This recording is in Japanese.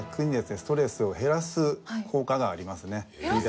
ストレスを減らす効果がありますね。